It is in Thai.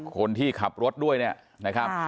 คนที่ขับรถด้วยเนี่ยนะครับ